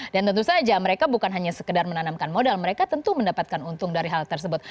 dan tentu saja mereka bukan hanya sekedar menanamkan modal mereka tentu mendapatkan untung dari hal tersebut